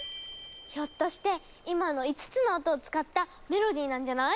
ひょっとして今の５つの音を使ったメロディーなんじゃない？